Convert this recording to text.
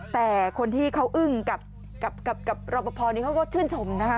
แต่คนที่เขาอึ้งกับรอปภนี้เขาก็ชื่นชมนะคะ